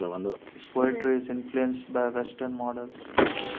His poetry is influenced by Western models.